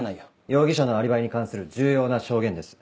容疑者のアリバイに関する重要な証言です。